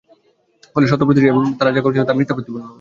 ফলে সত্য প্রতিষ্ঠিত হল এবং তারা যা করছিল তা মিথ্যা প্রতিপন্ন হল।